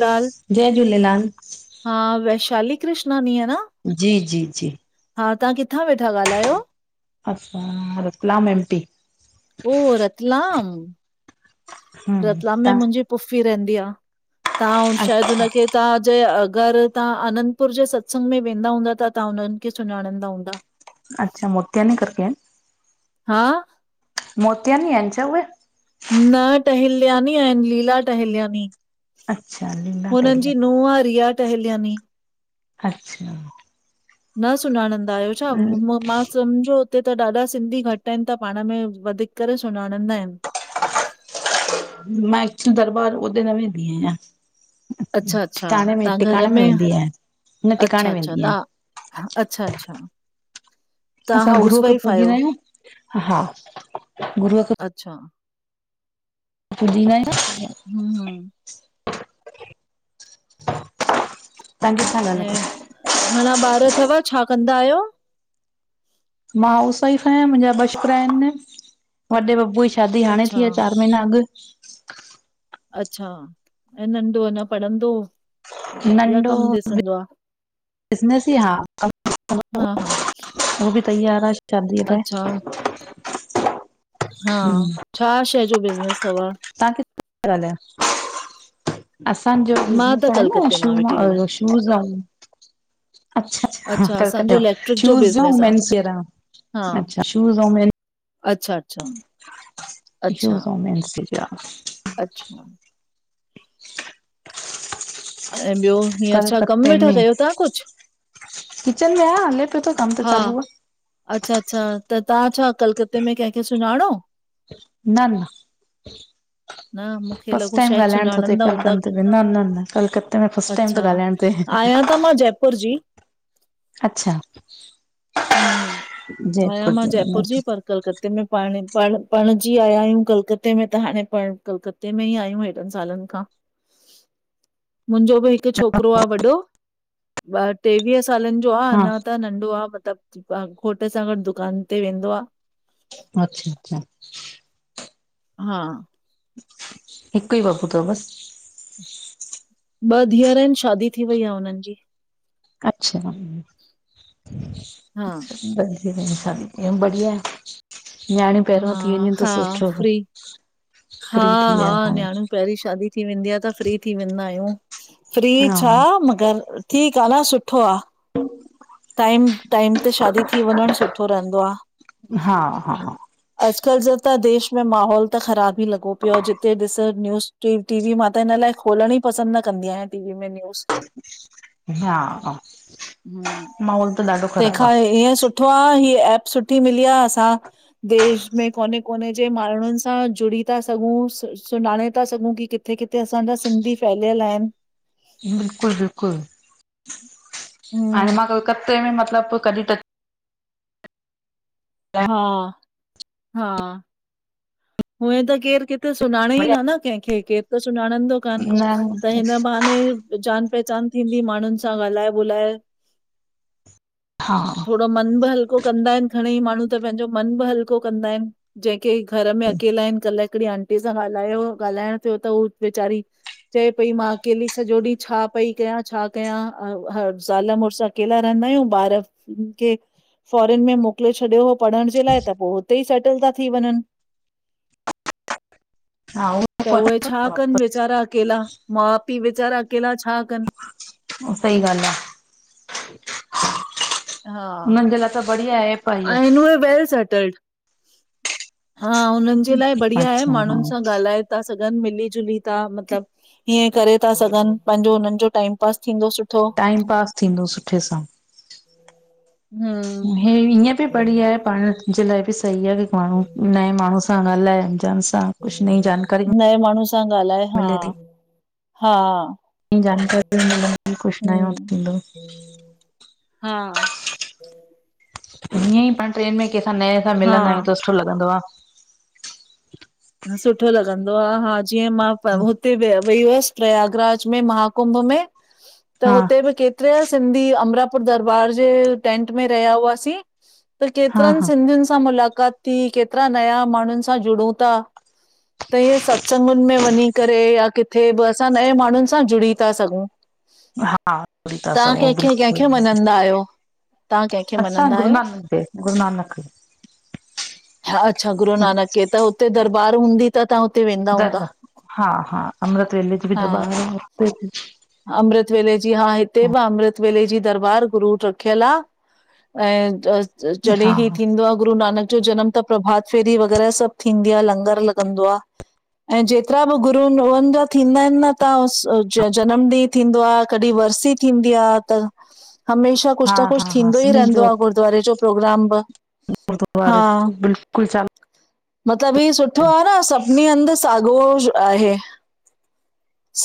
लाल, जय झूलेलाल। हा वैशाली कृष्णाानी आ न। जी, जी, जी। हा, तव्हां किथां वेठा ॻाल्हायो? असां रतलाम एम पी। ओ, रतलाम। हम्म रतलाम में तव्हां मुंजी फूफी रहंदी आ, तव्हां शायदि अच्छा हुनखे तव्हां जे अगरि तव्हां आनंतपुर जे सत्संग में वेंदा हूंदा त तव्हां हुनन्हनि खे सुञाणींदा हूंदा। अच्छा, मोदियाना करके आइन? हा, मोतियानी आहेन छा उहे? न टहल्यानी आहिन, लीला टहल्यानी। अच्छा लीला हुननि जी टेलर नूअ आहे रिया टहल्यानी। अच्छा, न सुञाणंदा आहियो छा? म मां सम्झो हुते त ॾाढा सिंधी घटि आहिनि त पाण में वधीक करे सुञाणंदा आहिनि। मां एक्चुली दरबार ओॾे न वेन्दी आयां। अच्छा अच्छा, ठिकाणे में, तव्हां टिकाणे घर में वेंदी आयां। अच्छा, अच्छा तहां अच्छा, अच्छा। तव्हां असां गुरू हाउस खे वाइफ पूजींदा आहियो? आहियूं हा, गुरूअ खे अच्छा, बुधी न आयां। हूं हूं, तव्हां किथां ॻाल्हायो? ऐं घणा ॿार थव, छा कंदा आहियो? मां हाउस वाइफ आयां मुंजा ब छोकरा आहिन, वॾे बबूअ जी शादी हाणे अच्छा, थी आ चार मे न अॻु अच्छा ऐं नंढो अञा पढ़ंदो या कम ॾिसंदो आ। बिजनेस या [unintelligible] हा, हा हो बि तयार आ। शादीअ अच्छा, लाए। हा, छा शइ जो बिज़नेस तव? सई गाल आए। असांजो मां बिज़नेस त आहे न कलकत्ते मां वेठी ॻाल्हायां। शू शूज़ आ अच्छा अच्छा, कलकत्ते वा शूज जो मेन्स वियर आ, अच्छा शूज औ मेन अच्छा-अच्छा। [unintelligible] अच्छा। ऐं ॿियो, हींअर छा कमु कलकत्ते वेठा में कयो तव्हां कुछ? किचन में आयां, हले पियो थो कम त हा, चालू आ। अच्छा अच्छा त तां छा कलकते में कंहिंखे सुञाणो? न, न। न मूंखे फस्ट लॻो टाइम शायदि ॻाल्हाइण थो सुञाणंदा कल हूंदा कन्द की मे न न न कलकत। त मे फस्ट टाइम अच्छा, तो ॻाल्हाइण थे। आहियां त मां जयपुर जी। अच्छा हम्म जयपुर त वने ती। कलकते में पाण पण पणिजी आया आहियूं कलकते में त हाणे पण कलकत। ते में ई आहियूं हेॾन सालन खां। मुंहिंजो बि हिकु छोकिरो आहे वॾो ॿा टेवीह सालन। ॿयो आ हा अञा त नंढो आ मतलब घोट सां गॾु दुकान ते वेंदो आ। अच्छा अच्छा। हा। हिकुई बबू त बस? ॿ धीअर इन शादी थी वई आ हुनन जी। अच्छा हा, बस। ॿयो बढ़िया, न्याणियूं पेहेरियो थी हा, वञन त हा सुठो। फ्री हा फ्री थी हा विया हाणे। न्याणियूं। पेहिरीं शादी थी वेंदी आ त फ्री थी वेंदा आहियूं। फ्री हा छा मगर। ठीक आ न सुठो आ। टाइम, टाइम ते शादी थी वञण सुठो रहंदो आ। हा हा हा। अजकल जो त देश में माहौल त ख़राब। हि लॻो पियो आ जिते ॾिस न्यूज़, टीवी मां त हिन लाए खोलणई पसंद न कंदी आयां टीवी में न्यूज़। हा हूं माहौल त ॾाढो ख़राब आ। तेंखां ईअ सु। सुठो आ हिं एप सुठी मिली आ असां। देश में कोने कोने जे माण्हुन सां जुड़ी। ता सघूं सु-सुञाणे ता सघूं कि किथे किथे असांजा सिंधी फैलयल आहिन। बिल्कुल बिल्कुल हाणे हम्म मां कलकते में मतलब कॾि टच। हा। हा। हूयं त केर किथे सुञाणे ही न न केखें केर त सुञाणंदो। कन, त न हिन बहाने जान पहचान थींदी माणुन सां ॻाल्हाए ॿोलाए। हा। थोड़ो मन बि हल्को कंदा आहिन घणेई माण्हू त पेंहिंजो मन बि हल्को कंदा आहिन जेंके अकेला इन कल्ह हिकड़ी आंटी सां ॻाल्हायो ॻाल्हाइण थियो त ऊ वेचारी। चए पई मां अकेली सॼो ॾींह छा पई कयां छा कयां ज़ाल मुॾस्। अकेला रेहंदायूं ॿार, खे फोरन में मोकले छॾियो। पढ़ण जे लाए त पो हुतेई सेटल ता थी वञन। हा उ। त उहे छा कन वेचारा अकेला माउ पी वेचारा अकेला छा कन? सही ॻाल आ। हुनन जे लाए त बढ़िया एप। आ इहो। आई नूवा वेल सेटल्ड। हा। हुनन जे लाए बढ़िया आहे अच्छा हा माणुन सां ॻाल्हाए। ता सघन मिली जुली ता मतलब, हीअं करे ता सघन। पांजो हुनन जो टाइम पास थींदो सु। टाइम पास थींदो सुठे सां। न। ईंयं बि बढ़िया ए, पांण जे लाए बि सही आहे माण्हूं, नए माण्हूं सां ॻाल्हाए अंजान सां। नए माणुहू सां ॻाल्हाए हा। मिले थी हा, ईअं जानकारी मिलंदी कुझु नयो थींदो। हम्म। हा। ईंअंई पांण ट्रेन में केंसां नए सां मिलंदा हा आहियूं त सुठो लॻंदो आ। सुठो लॻंदो आ, हा जीअं मां हुते वियमि वई हुअस प्रयागराज में महाकुंभ में त हा हुते बि के ट्रिया सिंधी अमरापुर दरबार जे टेंंट में रहिया हुआसीं त हा केतिरन हा सिंधियुन सां मुलाक़ात थी, केतरा नया माण्हुन सां जुड़ूं ता त इंयें सत्संगुन में वञी करे या किथे बि असां नए माण्हुन सां जुड़ी ता सघूं। हा जुड़ी ता तव्हां सघूं कंहिंखे कंहिंखे बिल्कुलु। मञंदा आहियो, तव्हां कंहिंखे असां मञंदा गुरू आहियो? नानक देव, गुरू नानक। हा अच्छा गुरू नानक खे, त हुते दरबार हुंदी? त तहां हुते वें दरबार हा हा अमृत वेले जी बि हा दरबार आ हुते बि अमृत वेले जी, हा हिते बि अमृत वेले जी दरबार गुरू रखियल आ। ऐं जॾहिं हा ई थींदो आहे गुरू नानक जो जन्म त प्रभात फेरी वग़ैरह सभु थींदी आ लंगर लॻंदो आ। ऐं जेतिरा बि गुरून उवनि ज़ा थींदा इनि न त उस अज जन्म ॾींहुं थींदो आ, कॾी वरसी थींदी आ त हमेशा हा कुछु न हा कुछु हा थींदो ई रहंदो आ गुरुद्वारे जो प्रोग्राम बि गुरुद्वारे बिल्कुलु चाल [unintelligible] मतलब ही सुठो आ न सभिनी हंधि साॻोश आहे।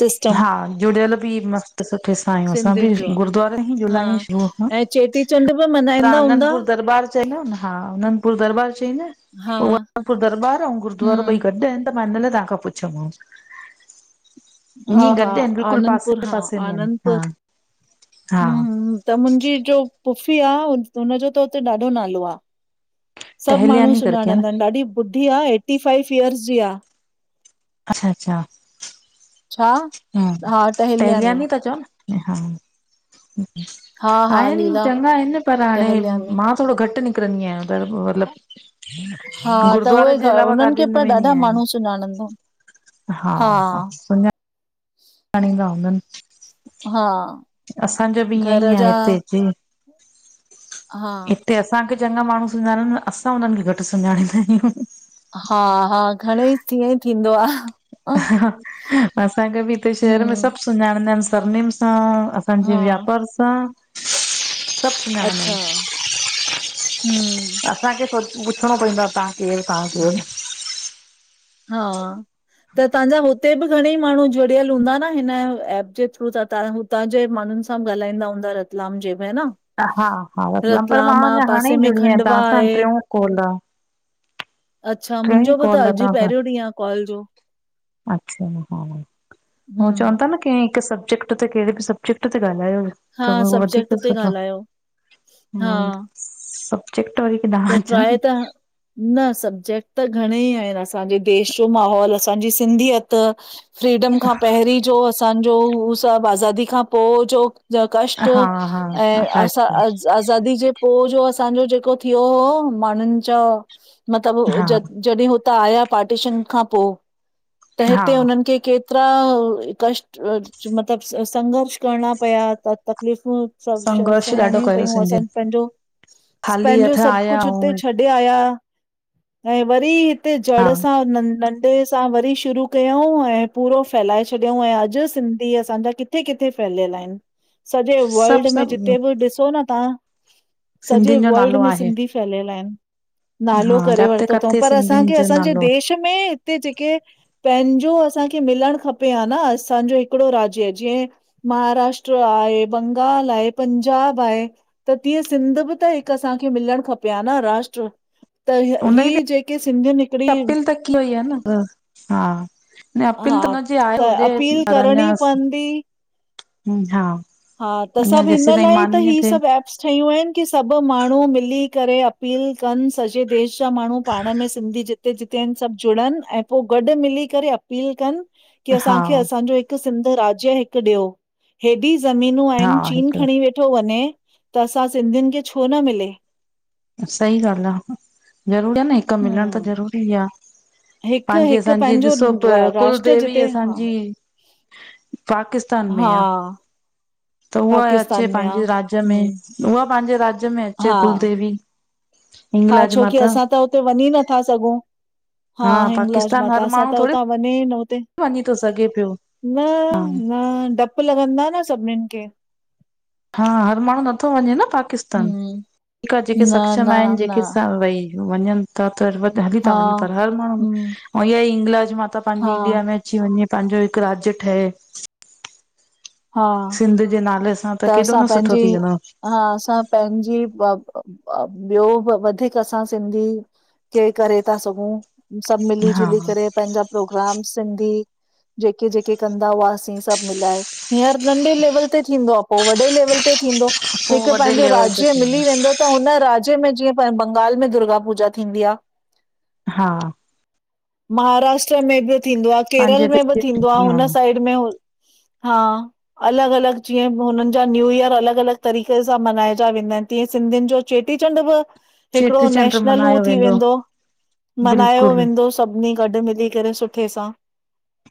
सिस्टम हा जुड़ियल बि मस्त सुठे सां आहियूं असां बि सिंधियुनि जो गुरूद्वारे ई जुड़ियल हा आहिंयूं शुरूअ खां, ऐं चेटीचंड बि पर मल्हाईंदा हूंदा आनंदपुर दरॿार चईंदा उ न हा आनंदपुर दरॿार चईंदा इनि। हा। आनंदपुर दरॿार अंउं गुरुद्वारो ॿई हम्म, गॾु आहिनि त मां इन लाए तहां खां पुछयो मांव। हा हा आहिनि बिल्कुलु आनंदपुर पासे हा पासे में आहिनि हा आनंदपुर हा हम्म हम्म त मुंजी जो पुफी आ, हुनजो त उते ॾाढो नालो आ। सभु माण्हूं टहलियानी करके आ न सुञाणंदा हिनि ॾाढी ॿुढी आ एटी फाइव इयर्स जी आ। अच्छा -अच्छा, छा? हा टहिलियानी ता चओ न हा, हा, हा, आहिनि लीला चङा हिनि पर हाणे टहल्यानी। मां थोरो घटि निकिरंदी आहियां घर खां हा, मतिलबु गुरुद्वारे जे अलावा काॾे न वेंदी आहियां। सुञांणन्दम हा हा सुञां। खणींदा हुंदन, हा। असांजो बि घर ईअंईं आ जा हिते- हिते हा। हिते असांखे चङा माण्हूं सुञाणनि असां हुनन्हनि खे घटि सुञाणींदा आहियूं। हा हा घणेंई तीअं ई थींदो आ असांखे बि हिते शहर में हम्म, सभु सुञांणींदा हिनि सभिनिन सां अस पंहिंजे़ हा, व्यापार सां सभु सुञाणन्दा अच्छा, हिनि। हम्म, असांखे खुद पुछिणों पइंदो आ तहां केर तहां केर हा त तांजा हुते बि घणेई माण्हू जुड़ियल हूंदा न हिन एप जे थ्रू त तां। तां ज़े माण्हुन सां ॻाल्हाईंदा हूंदा रतलाम जे में है न। हा हा रत्ललाम पर मां रतलाम आ अञा हाणे पासे ई में जुड़ी आयां खंडवा तव्हांसां आहे ट्र्यूं कोल आ। अच्छा मुंहिंजो भी कॉल त आहे अॼु तव्हां पहिरियों सां ॾींह आहे कॉल जो। अच्छा हा हो चवन था हम्म न कहिं हिक सबजेक्ट। उते केहड़े बि सब्जेक्ट ते ॻाल्हायो हा तव उहो वधीक सब्जेक्ट ते सुठो। ॻाल्हायो हा सबजेक्ट वरी किॾा। त ट्राए त। न सब्जेक्ट त घणेई आहिन असांजे देश जो माहोल असांजी सिंधीयत। फ्रीडम खां पहिरीं ज़ो असांज़ो हु सभ आज़ादी खां पो जो। जो कष्ट हा ऐं असां हा आज़ादी ज़े पो जो असांज़ो जेको। थियो हो माण्हुनि ज़ा मतिलबु हा जॾिह हुते। हिते आया पार्टीशन खां पो त हिते हा हुनन खे के। केतरा कष्ट मतलब स संघर्ष करणा पया त तकलीफ़ूं। सभ छ‌इ संघर्ष ॾाढो सहिणियूं कयो पयूं असां सिंधियुनि पंहिंजो। ख़ाली पंहिंजो हथ सभ आया कुछ हुते ऐं छॾे आया ऐं वरी हिते हा जड़ सां। नंढे सां वरी शुरू कयऊूं ऐं पूरो फैलाए छॾियऊं ऐं अॼु सिंधी असांज़ा किथ। किथे किथे फैलियल आहिन सॼे ‌वर्ल्ड सभु में जिते बि ॾिसो न तां। सिंधियुन जो नालो आहे। फैलियल आहिन नालो हा करे जाते वरतो थऊं काथे पर सिंधियुनि असांखे जो असांजे नालो देश। में हिते जेके। पंहिंजो असांखे मिलण खपे हां न असांजो हिकड़ो राज्य जीअं। महाराष्ट्र आहे बंगाल आहे पंजाब आहे त तीअं सिंध बी त। हिक असांखे मिलण खपे आ न राष्ट्र। त उन ई बि ही जेके सिंधियुन हिकड़ी। अपील त की हुई आहे न हा न अपील हा त हुनजी आहे त होॾे अपील करणी पवंदी। हं हां। हा त सभ हिन लाई त ही सभ थिए एप्स। शयूं आहिन की सभ माण्हू मिली करे अपील। कन सॼे देश जा माण्हू पाण में सिंधी जि। जिते आहिन सभ जुड़न ऐं पो गॾ मिली करे अपील कन की हा असांखे असांजो। सिंध राज्य हिक ॾियो हेॾी ज़मीनूं हा आहिन चीन हिकु खणी वेठो। ठो वञे त असां सिंधियुन खे छो न मिले। सही ॻाल्ह आ ज़रूरी आ न हिक मिलण त हम ज़रूरी आ। हिकु पाहिंजी हिकु असांजी पंहिंजो ॾिसो प रा राष्ट्र कुलदेवी जिते हा असांजी। पाकिस्तान में हा आ। त उहा पाकिस्तान अचे में आ पंहिंजे राज्य में हम उहा पंहिंजे राज्य में अचे हा कुलदेवी। हा हिंगलाज छोकी माता असां त हुते वञी नथा सघूं हा हिंगलाज पाकिस्तान माता हर असां माण्हू त थोरी हुतां। मनाइत हुते। वञी थो सघे पियो न, हा न डप। डप लॻन्दा न सभनीन खे। हा हर माण्हू नथो वञे न पाकिस्तान हम्म ठीक आ जेके न न सक्षम आहिन न जेके सा भई। वञन था त हली था हा वञन पर हर माण्हू हम्म औ इहा ई इंगलाज माता हा पंहिंजी इंडिया में। अची वञे पंहिंजो हिकु राज्य ठहे। हा। सिंध जे नाले सां त केॾो असां न सुठो पंहिंजी थी वेंदो आ हा असां पेंजे ब-ब-ब ब्यो बि वधीक असां सिंधी के करे ता सघूं सभ मिली हा जुली करे। पैंजा प्रोग्राम सिंधी जेके जेके कंदा हुआसीं सभ मिलाए हींअर नंढे लेवल ते थींदो आ, पो वॾे लेवल ते थींदो हिक पोइ वॾे पंहिंजो लेवल ते राज्य मिली थींदो वेंदो त हुन राज्य में जीअं बंगाल में दुर्गा पूजा थींदी आ। हा महाराष्ट्र में बि थींदो, आ केरल पंहिंजे में बि थींदो आ हिते हुन साइड में हा अलॻ अलॻ जीअं हुनन जा न्यू ईयर अलॻ अलॻ तरीके सां मनहायजा वेंदा आहिन तीअं सिंधियुन जो चेटी चंड बि हिकड़ो चेटीचंड नेशनल हू मल्हायो थी वेंदो मल्हायो बिल्कुलु वेंदोसि सभिनी गॾ मिली करे सुठे सां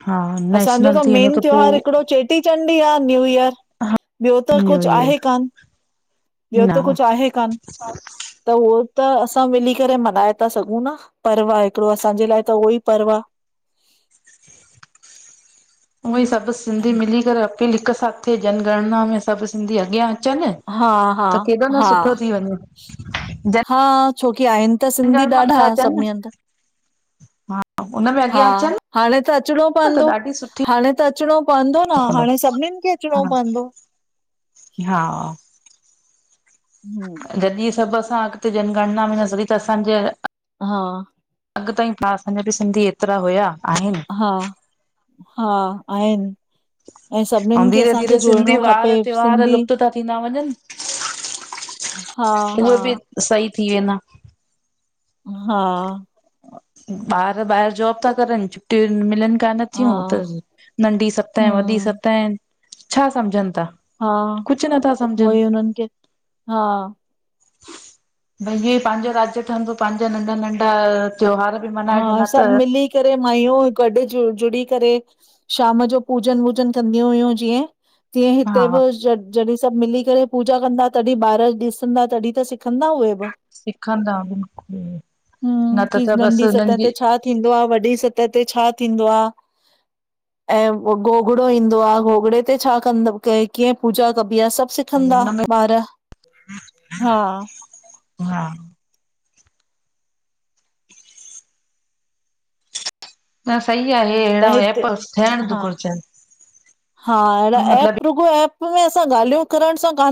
हा असांजो नेशनल त थी वेंदो मेन पो त्योहार हिकङो चे टीचंड ही आ न्यू ईयर ॿियो त इहो कुछ ई आहे कान ॿियो न त कुछ आहे कान त उह त असां मिली करे मन्हाए था सघूं न पर्व आ हिकिड़ो असांजे लाइ त उहो ई पर्व आ। उई सभ सिंधी मिली करे पिल हिक साथ जनगणना में सभ सिंधी अग्यां अचन हा हा त केॾो न हा सुठो थी वञे। हा छोकी आहिन त सिंधी जनगणमा ॾाढा नथा अचनि सभनी हंध। हा उन में हा अॻियां अचनि हाणे त अचणो न त पवंदो ॾाढी सुठी हाणे त अचणो पवंदो न कंदो हाणे सभिनीन खे अचणो पवंदो। हा [unintelligible] जॾी सभ असां अॻते जनगणना में ईदास तडी त असांजे हा अॻ ताईं असांजा बि सिंधी एतरा हुआ आहिन। हा हा आहिन ऐं सभनिन खे धीरे असांखे धीरे सिंधी जोड़णो खपे वार त्योहार सिंधी लुप्त था थींदा वञनि हा हा उहे बि सही थी वेंदा हा ॿार ॿाहिर जॉब था करनबछुटिय मिलन का न हा थियूं त नंढी सत वॾी हम्म सत छा सम्झनि था हा कुझु नथा सम्झनि उहई हुनन खे हा भई इहे पाँजो राज्य ठंदो बि पाँजा नंढा-नंढा त्योहार बि हा मल्हाइजंदा त। सभु मिली करे माययूं गॾ जुड़ी करे शाम जो पूजन वूजन कंदी हुयूं जीअं तीअं हा हिते बि ज जॾहिं सभ मिली करे पूजा कंदा तॾहिं ॿार ॾिसंदा तॾहिं त सिखंदा उहे। बि सिखदां बिलकुल हम न त की त बसि नंढी हुननि सतह ते जी छा थींदो आ, वॾी सत ते छा थींदो आ? ऐं घोगड़ो ईंदो आ घोगड़े ते छा कंदो क कीअं पूजा कबी आ सभ सिखंदा हुनमें ॿार हा हा त सही आहे त अहिड़ा हिते ऐप थियण हा घुरिजनि हा अहिड़ा मतिलबु एप रुॻो एप में असां गाल्हियूं करण सां